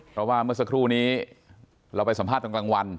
เพราะว่าเมื่อสักครู่นี้เราไปสัมภาษณ์ตอนกลางวัน